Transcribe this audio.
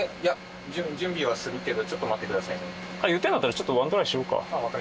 言ってなかったらちょっとワントライしようか。